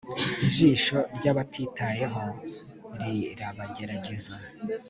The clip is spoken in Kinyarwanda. Ijisho ryabatitayeho rirabagerageza